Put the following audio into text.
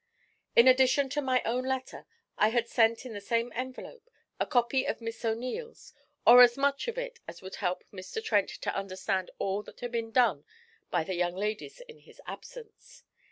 In addition to my own letter, I had sent in the same envelope a copy of Miss O'Neil's, or as much of it as would help Mr. Trent to understand all that had been done by the young ladies in his absence.